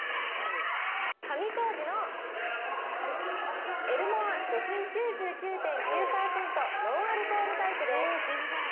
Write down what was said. カミ商事のエルモア除菌９９．９％ノンアルコールタイプです